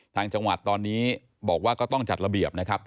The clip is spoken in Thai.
ทางจังหวัดตอนนี้บอกว่าก็ต้องจัดระเบียบนะครับ